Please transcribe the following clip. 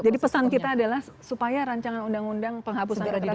jadi pesan kita adalah supaya rancangan undang undang penghabisan kekerasan seksual